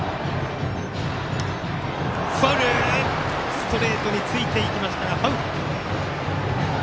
ストレートについていきましたがファウル。